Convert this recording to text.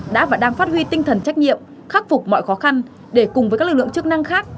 đã và đang phát huy tinh thần trách nhiệm khắc phục mọi khó khăn để cùng với các lực lượng chức năng khác